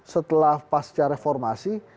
setelah pas secara reformasi